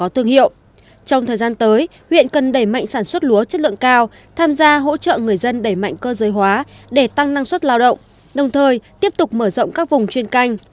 trong thời gian tới huyện cần đẩy mạnh sản xuất lúa chất lượng cao tham gia hỗ trợ người dân đẩy mạnh cơ giới hóa để tăng năng suất lao động đồng thời tiếp tục mở rộng các vùng chuyên canh